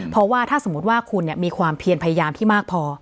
เพราะว่าถ้าสมมุติว่าคุณมีความเพียรพยายามที่มากพอ